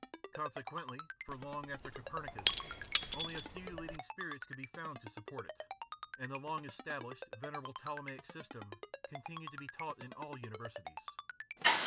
Consequently, for long after Copernicus, only a few leading spirits could be found to support it, and the long established venerable Ptolemaic system continued to be taught in all Universities.